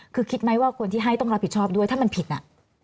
คือคิดไหมว่าคนที่ให้ต้องรับผิดชอบด้วยถ้ามันผิดน่ะ